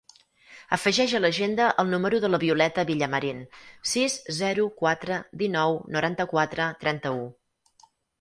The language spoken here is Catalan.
Afegeix a l'agenda el número de la Violeta Villamarin: sis, zero, quatre, dinou, noranta-quatre, trenta-u.